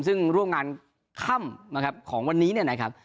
ซึ่งร่วมงานค่ำของวันนี้นะครับ